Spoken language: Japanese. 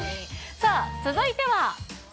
さあ、続いては。